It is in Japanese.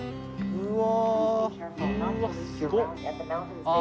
うわ。